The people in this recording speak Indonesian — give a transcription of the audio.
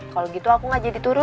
kalau gitu aku ngajak diturun